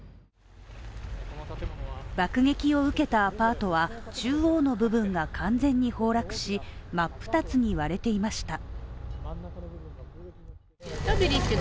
爆撃を受けたアパートは中央の部分が完全に崩落し真っ二つに割れていました。